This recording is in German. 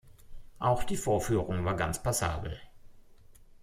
Auch die Vorführung war ganz passabel.